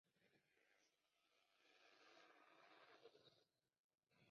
Estaba en la cabecera de la pista Zabala.